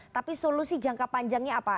tapi solusi jangka panjangnya apa